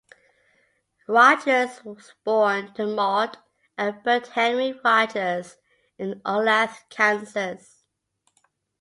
Rogers was born to Maude and Bert Henry Rogers in Olathe, Kansas.